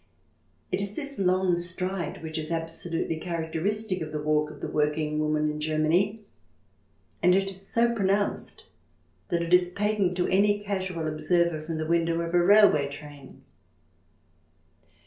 It is this long stride which is absolutely characteristic of the walk of the working woman in Germany, and is so pronounced that it is patent to any casual observer from the window of a railway train.